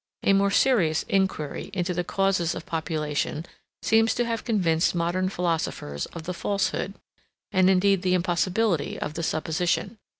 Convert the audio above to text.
38 A more serious inquiry into the causes of population seems to have convinced modern philosophers of the falsehood, and indeed the impossibility, of the supposition.